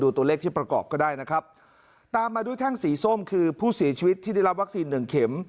ตัวเลขที่ประกอบก็ได้นะครับตามมาด้วยแท่งสีส้มคือผู้เสียชีวิตที่ได้รับวัคซีนหนึ่งเข็ม